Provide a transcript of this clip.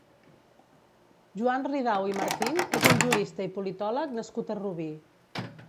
Joan Ridao i Martín és un jurista i politòleg nascut a Rubí.